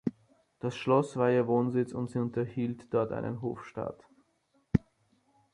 Das Schloss war ihr Wohnsitz und sie unterhielt dort einen Hofstaat.